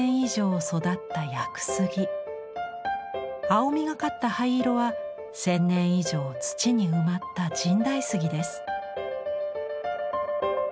青みがかった灰色は１，０００年以上土に埋まった神代杉です。